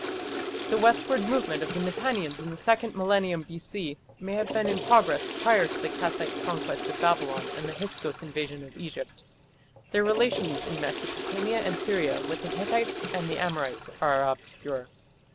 The westward movement of the Mitannians in the second millennium B.C. may have been in progress prior to the Kassite conquest of Babylon and the Hyksos invasion of Egypt. Their relations in Mesopotamia and Syria with the Hittites and the Amorites are obscure.